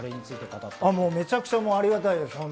めちゃくちゃありがたいです。